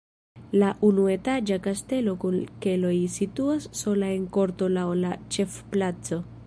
La unuetaĝa kastelo kun keloj situas sola en korto laŭ la ĉefplaco.